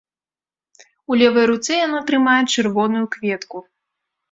У левай руцэ яно трымае чырвоную кветку.